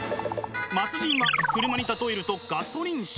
末人は車に例えるとガソリン車。